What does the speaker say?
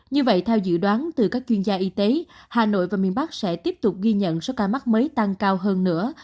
như vậy theo dự đoán từ các chuyên gia y tế hà nội và miền bắc sẽ tiếp tục ghi nhận số ca mắc mới tăng cao hơn nữa